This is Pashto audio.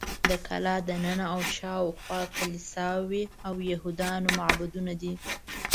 د کلا دننه او شاوخوا کلیساوې او یهودانو معبدونه دي.